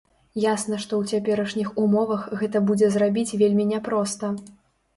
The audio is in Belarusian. Ясна, што ў цяперашніх умовах гэта будзе зрабіць вельмі няпроста.